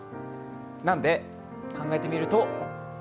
なので、考えてみると？